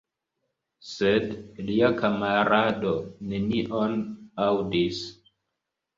Sed lia kamarado nenion aŭdis.